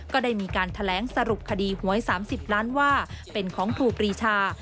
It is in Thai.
ก็ได้มีการแถลงสรุปคดีหวย๓๐ล้านว่าเป็นของครูปรีชา